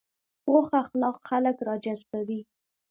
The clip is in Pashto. پوخ اخلاق خلک راجذبوي